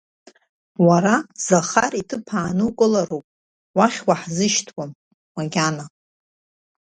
Уара Захар иҭыԥ аанукылароуп, уахь уаҳзышьҭуам, макьана.